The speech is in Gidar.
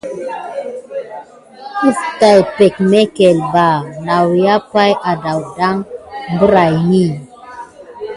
Ɗəf tay peɗmekel ɓa nawua pay adaye birayini.